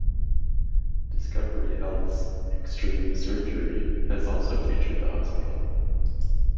Discovery Health's "Extreme Surgery" has also featured the hospital.